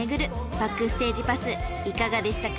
バックステージパスいかがでしたか？］